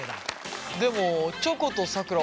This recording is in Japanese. でもチョコとさくら